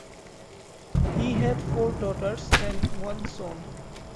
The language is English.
He had four daughters and one son.